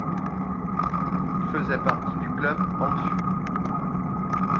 Il faisait partie du Club Anfu.